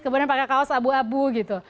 kemudian pakai kaos abu abu gitu